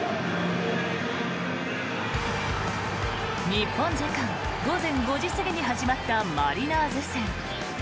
日本時間午前５時過ぎに始まったマリナーズ戦。